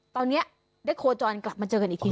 ตอนนี้ได้โคจรกลับมาเจอกันอีกที